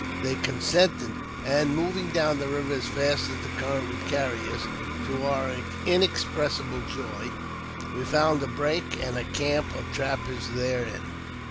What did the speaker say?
They consented, and, moving down the river as fast as the current would carry us, to our inexpressible joy, we found a break, and a camp of trappers therein.